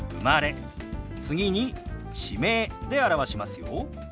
次に地名で表しますよ。